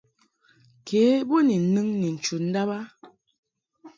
Ke bo ni nɨŋ ni chu ndàb a.